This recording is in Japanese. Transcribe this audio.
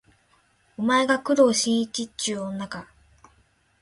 お前が工藤新一っちゅう女か